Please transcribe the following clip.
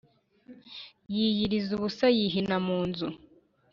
yiyiriza ubusa yihina mu nzu